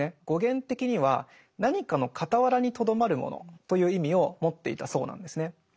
語源的には「何かの傍らにとどまるもの」という意味を持っていたそうなんですね。